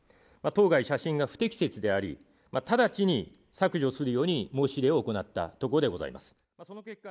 当該写真が不適切であり、直ちに削除するように申し入れを行ったところでございます。